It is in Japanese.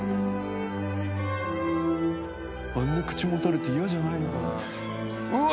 あんな口持たれて嫌じゃないのかな？